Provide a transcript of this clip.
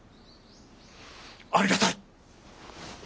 ありがたい！